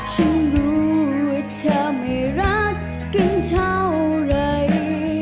ฉันรู้ว่าเธอไม่รักกันเท่าไหร่